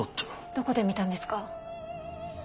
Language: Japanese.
どこで見たんですか？